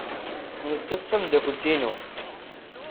Nettat d tameddakelt-inu.